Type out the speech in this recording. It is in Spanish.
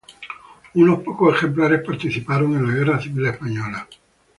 Unos pocos ejemplares participaron en la Guerra Civil Española.